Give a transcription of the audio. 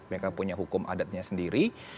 mereka punya hukum adatnya sendiri